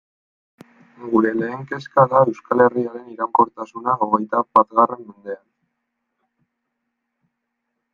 Gure lehen kezka da Euskal Herriaren iraunkortasuna hogeita batgarren mendean.